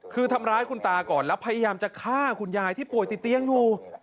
คือทำร้ายคุณตาก่อนแล้วพยายามจะฆ่าคุณยายที่ป่วยติดเตียงอยู่